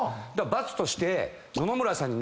罰として。